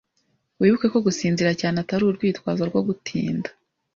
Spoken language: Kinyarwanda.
Wibuke ko gusinzira cyane atari urwitwazo rwo gutinda.